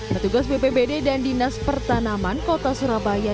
petugas bpbd dan dinas pertanaman kota surabaya